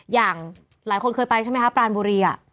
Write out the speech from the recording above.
อย่างหลายคนเคยไปใช่ไหมคะปรานบุรี